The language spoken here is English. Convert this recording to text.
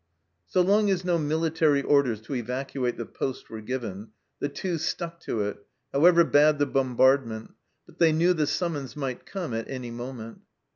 So long as no military orders to evacuate the poste were given, the Two stuck to it, however bad the bombardment, but they knew the summons might come at any moment.